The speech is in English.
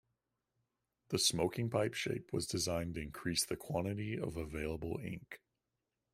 The "smoking pipe" shape was designed to increase the quantity of available ink.